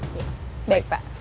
oke baik pak